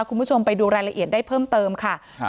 คุณผู้ชมไปดูรายละเอียดได้เพิ่มเติมค่ะครับ